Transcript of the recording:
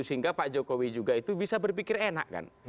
sehingga pak jokowi juga itu bisa berpikir enak kan